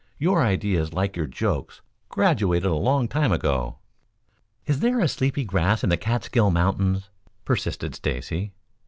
"Your ideas, like your jokes, graduated a long time ago." "Is there sleepy grass in the Catskill Mountains!" persisted Stacy.